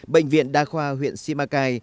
bệnh viện đa khoa huyện simacai